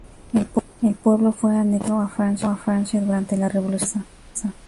El pueblo fue anexionado a Francia durante la Revolución Francesa.